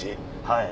はい。